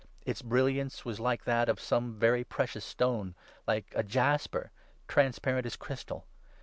Its brilliance was like that of some very precious stone, like a jasper, transparent as crystal.